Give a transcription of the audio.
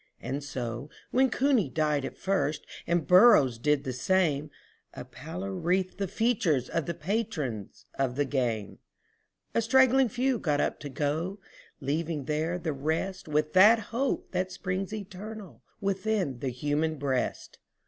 And so, when Cooney died at first, and Burrows did the same, A pallor wreathed the features of the patrons of the game. A straggling few got up to go, leaving there the rest, With that hope which springs eternal within the human breast.